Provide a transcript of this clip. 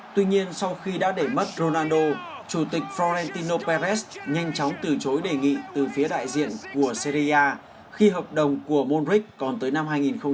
tuy nhiên sau khi đã để mất ronaldo chủ tịch florentino perez nhanh chóng từ chối đề nghị từ phía đại diện của serie a khi hợp đồng của monric còn tới năm hai nghìn hai mươi